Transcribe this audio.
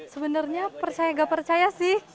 sebenarnya percaya gak percaya sih